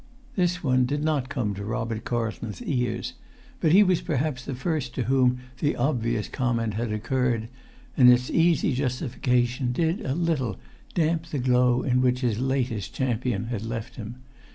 This one did not come to Robert Carlton's ears, but he was perhaps the first to whom the obvious comment had occurred, and its easy justification did a little damp the glow in which his latest champion had left him.